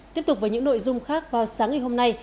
tiếp tục với những nội dung khác vào sáng ngày hôm nay